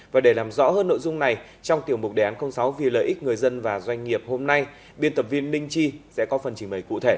và để làm rõ hơn nội dung này trong tiểu mục đề án sáu vì lợi ích người dân và doanh nghiệp hôm nay biên tập viên linh chi sẽ có phần trình bày cụ thể